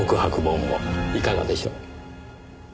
いかがでしょう？